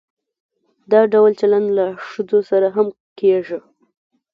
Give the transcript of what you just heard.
دا ډول چلند له ښځو سره هم کیږي.